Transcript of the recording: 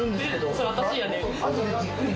それ私やねん。